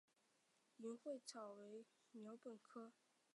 银穗草为禾本科银穗草属下的一个种。